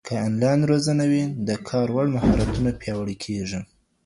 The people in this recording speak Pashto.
که انلاین روزنه وي، د کار وړ مهارتونه پیاوړي کېږي.